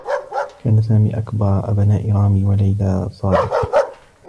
كان سامي أكبر أبناء رامي و ليلى صادق.